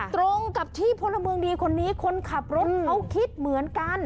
ตรงกับที่พลเมืองดีคนนี้คนขับรถเขาคิดเหมือนกัน